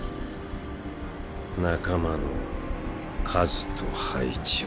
仲間の数と配置は？